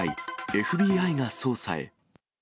ＦＢＩが捜査へ。